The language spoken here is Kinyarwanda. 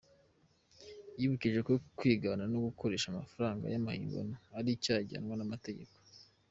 Yibukije ko kwigana no gukoresha amafaranga y’amahimbano ari icyaha ginanwa n’amategeko.